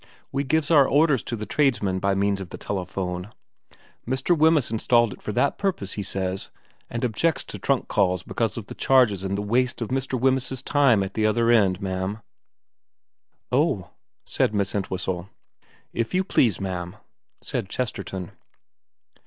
We gives our orders 302 VERA xxvn to the tradesmen by means of the telephone. Mr. Wemyss installed it for that purpose, he says, and objects to trunk calls because of the charges and the waste of Mr. Wemyss's time at the other end, ma'am.' ' Oh,' said Miss Entwhistle. ' If you please, ma'am,' said Chesterton.